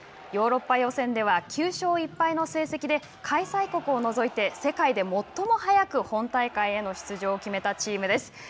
ヨーロッパ予選では９勝１敗の成績で開催国を除いて世界で最も早く本大会への出場を決めたチームです。